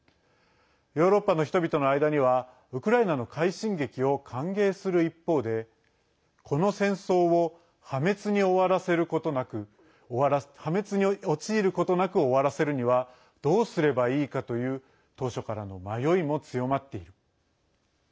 ヨーロッパの人々の間にはウクライナの快進撃を歓迎する一方でこの戦争を破滅に陥ることなく終わらせるにはどうすればいいかという当初からの迷いも強まっている。